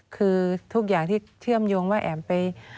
คือทุกอย่างที่เชื่อมโยงว่าแอ๋มไป